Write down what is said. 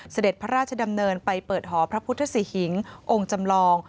เสด็จพระราชดำเนินไปเปิดหอพระพุทธศิหิงองค์จำลอง